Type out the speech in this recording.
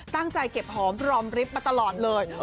ตั้งใจเก็บหอมรอมริฟท์มาตลอดเลย